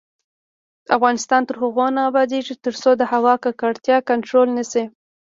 افغانستان تر هغو نه ابادیږي، ترڅو د هوا ککړتیا کنټرول نشي.